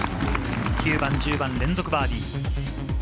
９番、１０番、連続バーディー。